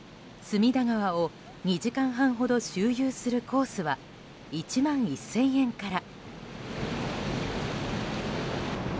隅田川を２時間半ほど周遊するコースは１万１０００円から。